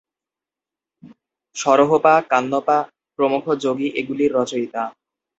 সরহপা, কাহ্নপা প্রমুখ যোগী এগুলির রচয়িতা।